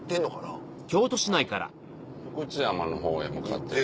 はい福知山の方へ向かってる。